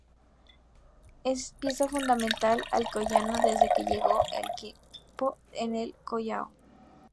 Es pieza fundamental del Alcoyano desde que llegó al equipo de El Collao.